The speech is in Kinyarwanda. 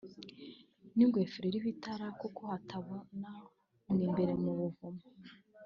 n’ingofero iriho itara kuko hatabona mu imbere mu buvumo